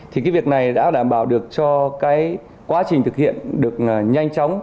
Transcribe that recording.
thì cái việc này đã đảm bảo được cho cái quá trình thực hiện được nhanh chóng